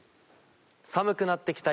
寒くなって来た